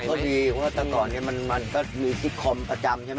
ก็ดีว่าตอนนี้มันก็ดึกที่คอมประจำใช่ไหม